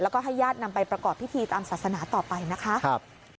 แล้วก็ให้ญาตินำไปประกอบพิธีตามศาสนาต่อไปนะคะ